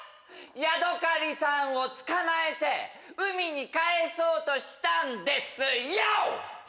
ヤドカリさんを捕まえて海に帰そうとしたんですＹＯ！